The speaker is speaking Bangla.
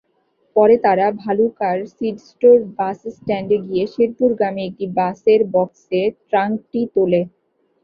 পরে তারা ভালুকার সিডস্টোর বাসস্ট্যান্ডে গিয়ে শেরপুরগামী একটি বাসের বক্সে ট্রাংকটি তোলে।